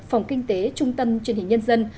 phòng kinh tế trung tân truyền hình nhân dân